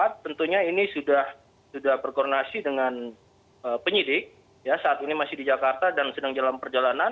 terima kasih sudah berkoordinasi dengan penyidik saat ini masih di jakarta dan sedang dalam perjalanan